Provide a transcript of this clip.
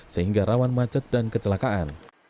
sehingga rawan macet dan kecelakaan